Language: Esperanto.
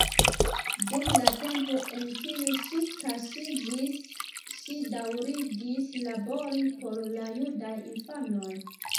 Dum la tempo en kiu ŝi kaŝiĝis, ŝi daŭrigis labori por la judaj infanoj.